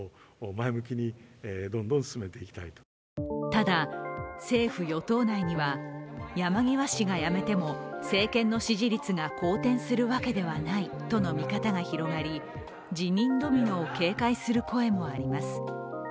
ただ、政府・与党内には、山際氏が辞めても政権の支持率が好転するわけではないとの見方が広がり辞任ドミノを警戒する声もあります。